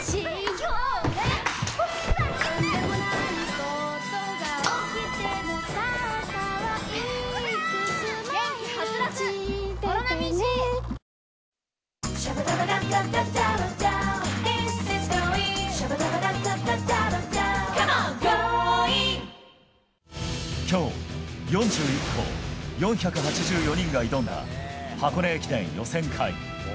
この後今日、４１校４８４人が挑んだ箱根駅伝予選会。